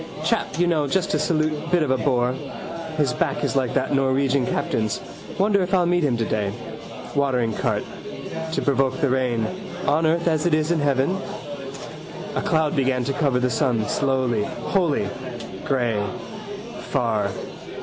Chap you know just to salute bit of a bore. His back is like that Norwegian captain's. Wonder if I'll meet him today. Watering cart. To provoke the rain. On earth as it is in heaven. A cloud began to cover the sun slowly, wholly. Grey. Far.